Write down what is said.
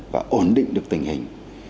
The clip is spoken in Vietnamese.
và ổn định được tình hình